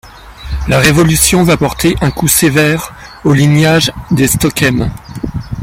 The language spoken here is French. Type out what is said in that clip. La Révolution va porter un coup sévère au lignage des Stockhem.